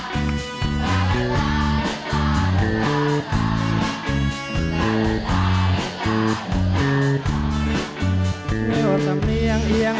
ที่สุขใจเมื่อได้เห็นเสียงนาง